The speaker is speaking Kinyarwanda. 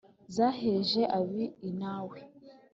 Zaheje ab' i Nawe